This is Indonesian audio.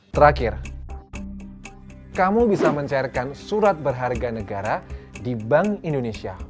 terakhir kamu bisa mencairkan surat berharga negara di bank indonesia